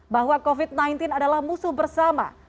bahwa covid sembilan belas adalah musuh bersama